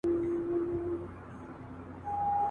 د اورنګ د زړه په وینو رنګ غزل د خوشحال خان کې.